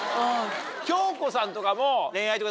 京子さんとかも。